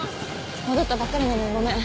戻ったばっかりなのにごめん。